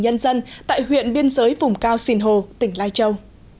nhân dân tại huyện biên giới vùng cao sinh hồ tỉnh lai châu